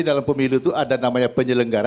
dalam pemilu itu ada namanya penyelenggara